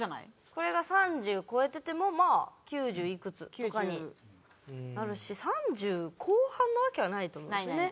これが３０超えててもまあ９０いくつとかになるし３０後半のわけはないと思うんですね。